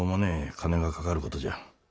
金がかかることじゃ。